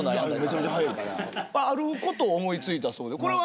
あることを思いついたそうでこれは？